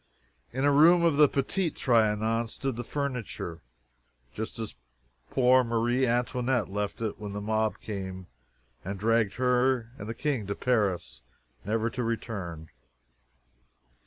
In a room of the Petit Trianon stood the furniture, just as poor Marie Antoinette left it when the mob came and dragged her and the King to Paris, never to return.